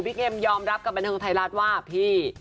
พี่เกมยอมรับกับบรรทัยรัฐว่าพี่